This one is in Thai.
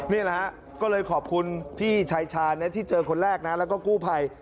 นี่แหละฮะก็เลยขอบคุณพี่ชายชาญที่เจอคนแรกนะแล้วก็กู้ภัย